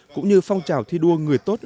cũng như phong trào thi đua người tốt